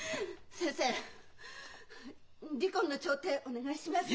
離婚の調停お願いします。